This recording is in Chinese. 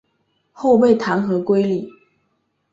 后被弹劾归里。